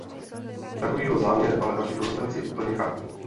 Takový byl záměr, ale vaši frustraci plně chápu.